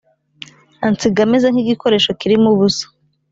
ansiga meze nk igikoresho kirimo ubusa